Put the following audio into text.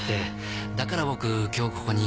だから僕今日ここに。